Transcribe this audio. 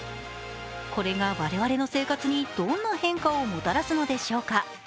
これが我々の生活にどんな変化をもたらすのでしょうか。